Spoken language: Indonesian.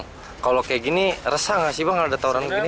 oh kayak gini resah gak sih bang kalau ada tauran begini